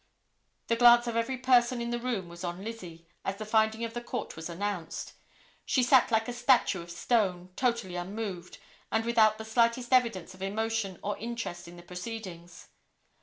The glance of every person in the room was on Lizzie as the finding of the Court was announced. She sat like a statue of stone, totally unmoved, and without the slightest evidence of emotion or interest in the proceedings.